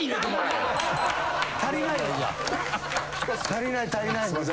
足りない足りない。